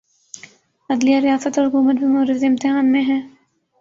عدلیہ، ریاست اور حکومت بھی معرض امتحان میں ہیں۔